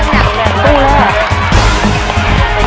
คุณฝนจากชายบรรยาย